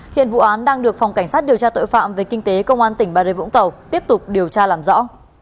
hiện vụ án đang được phòng cảnh sát điều tra tội phạm về kinh tế công an tỉnh bà rê vũng tàu tiếp tục điều tra làm rõ